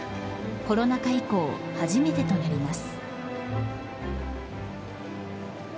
コロナ禍以降初めてとなります。